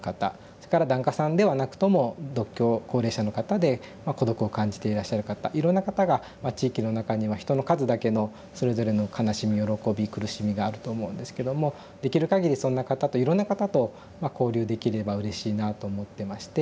それから檀家さんではなくとも独居高齢者の方で孤独を感じていらっしゃる方いろんな方が地域の中には人の数だけのそれぞれの悲しみ喜び苦しみがあると思うんですけどもできるかぎりそんな方といろんな方と交流できればうれしいなと思ってまして。